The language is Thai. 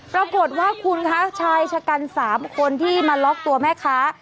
ปรากฏว่าคุณคะชายชะกัน๓คนที่มาล็อกตัวแม่ค้า